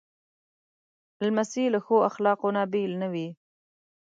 لمسی له ښو اخلاقو نه بېل نه وي.